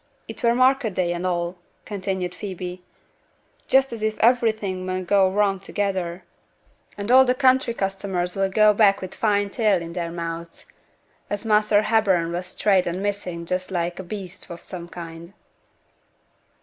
'It were market day, and a',' continued Phoebe, 'just as if iverything mun go wrong together; an' a' t' country customers'll go back wi' fine tale i' their mouths, as Measter Hepburn was strayed an' missin' just like a beast o' some kind.'